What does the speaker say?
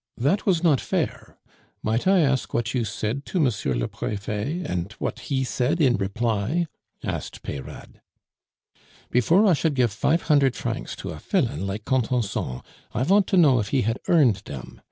That was not fair. Might I ask what you said to M. le Prefet, and what he said in reply?" asked Peyrade. "Before I should gif fife hundert francs to a filain like Contenson, I vant to know if he had earned dem.